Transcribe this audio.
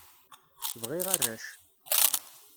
Bɣiɣ arrac.